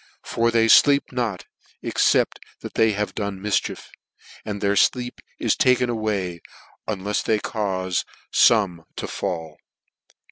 For they fleep not except " they have done mifchief; and their fleep ii i( taken away, unlefs they caufe Ibmeto FALL."